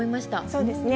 そうですね。